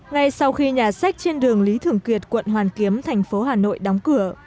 ngay sau khi nhà sách trên đường lý thường kiệt quận hoàn kiếm thành phố hà nội đóng cửa